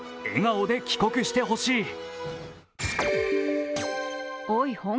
笑顔で帰国してほしい。